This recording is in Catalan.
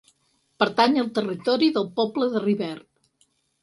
Pertany al territori del poble de Rivert.